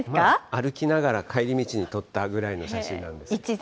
歩きながら、帰り道に撮ったぐらいの写真なんです。